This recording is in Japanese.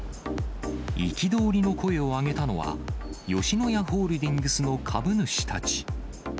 憤りの声を上げたのは、吉野家ホールディングスの株主たち。